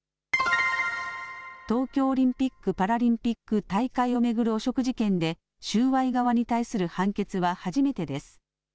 東京オリンピック・パラリンピック大会を巡る汚職事件で、収賄側に対する判決は初めてです。